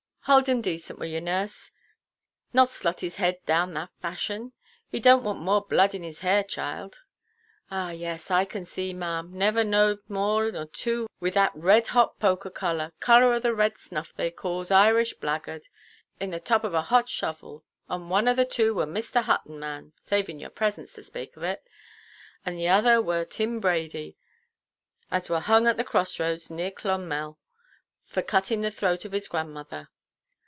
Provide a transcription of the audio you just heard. Hould him dacent, will ye, nurse? Not slot his head down that fashion! He donʼt want more blood in his hair, child. Oh yes, I can see, maʼam! Niver knowed more nor two wi' that red–hot poker colour, colour of the red snuff they calls 'Irish blackguard' in the top of a hot shovel; and one of the two were Mr. Hutton, maʼam, saving your presence to spake of it; and the other were of Tim Brady, as were hung at the crossroads, near Clonmel, for cutting the throat of his grandmother."